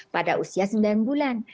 pada usia sembilan bulan